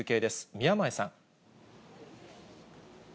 宮前さん。